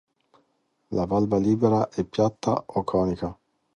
La valva libera è piatta o conica.